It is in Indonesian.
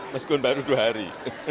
meskul baru dua hari